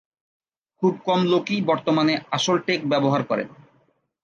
খুব কম লোকই বর্তমানে আসল টেক ব্যবহার করেন।